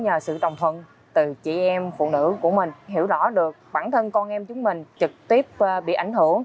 nhờ sự đồng thuận từ chị em phụ nữ của mình hiểu rõ được bản thân con em chúng mình trực tiếp bị ảnh hưởng